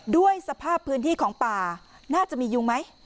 ด้วยสภาพพื้นที่ของป่าน่าจะมียุงไหม